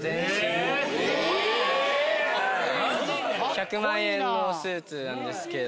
１００万円のスーツなんですけど。